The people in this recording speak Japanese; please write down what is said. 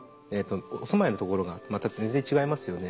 お住まいのところが全然違いますよね。